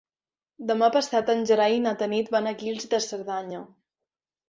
Demà passat en Gerai i na Tanit van a Guils de Cerdanya.